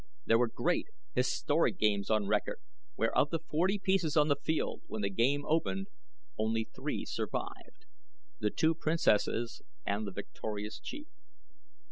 There were great, historic games on record where of the forty pieces on the field when the game opened only three survived the two Princesses and the victorious Chief.